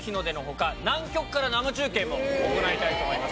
南極から生中継も行いたいと思います。